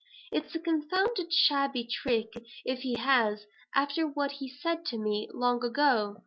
"It's a confounded shabby trick if he has, after what he said to me long ago.